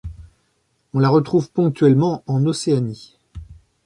On la retrouve ponctuellement en Océanie.